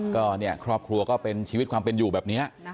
ก็เนี่ยครอบครัวก็เป็นชีวิตความเป็นอยู่แบบนี้